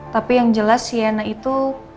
tapi yang jelas siana itu